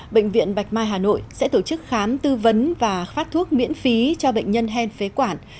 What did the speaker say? bệnh viện bạch mai hà nội sẽ tổ chức khám tư vấn và phát thuốc miễn phí cho bệnh nhân hen phế quản